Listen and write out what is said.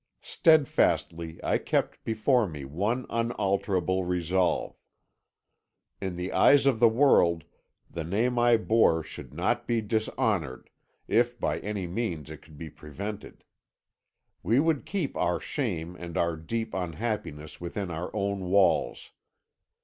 "Steadfastly I kept before me one unalterable resolve. In the eyes of the world the name I bore should not be dishonoured, if by any means it could be prevented. We would keep our shame and our deep unhappiness within our own walls.